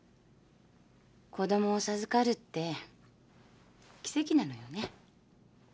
子供を授かるって奇跡なのよね。